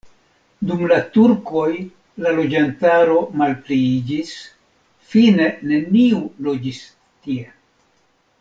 Dum la turkoj la loĝantaro malpliiĝis, fine neniu loĝis tie.